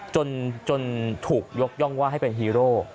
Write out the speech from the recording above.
จนถูกยกย่องว่าให้เป็นฮีโร่